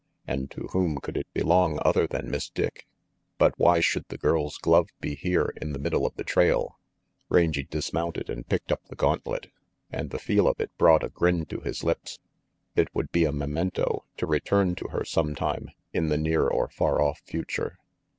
And to whom could it belong other than Miss Dick? But why should the girl's glove be here in the middle of the trail? Rangy dismounted and picked up the gauntlet; and the feel of it brought a grin to his lips. It would be a memento, to return to her some time, in the near or far off future.